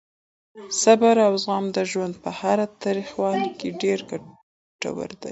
صبر او زغم د ژوند په هره تریخوالې کې ډېر ګټور دي.